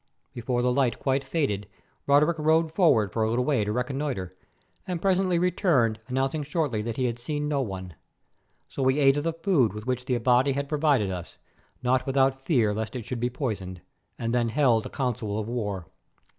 Before the light quite faded Roderick rode forward for a little way to reconnoitre, and presently returned announcing shortly that he had seen no one. So we ate of the food with which the Abati had provided us, not without fear lest it should be poisoned, and then held a council of war.